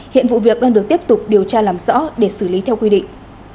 hiện vụ việc đang được tiếp tục điều tra làm rõ để xử lý theo quy định